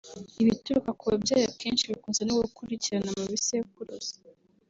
Ibituruka ku babyeyi akenshi bikunze no gukurikirana mu bisekuruza